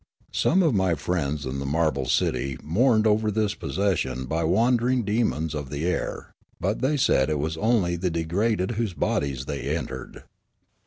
Some of my friends in the marble city mourned over this possession by wandering demons of the air ; but they said it was only the degraded whose bodies they entered.